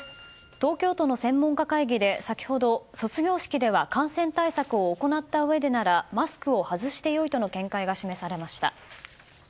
東京都の専門家会議で先ほど、卒業式では感染対策を行ったうえでならマスクを外して良いとの見解が示されました。